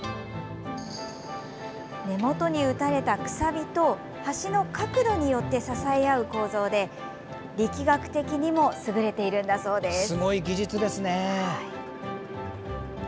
根元に打たれたくさびと橋の角度によって支え合う構造で力学的にも優れているんだそうです。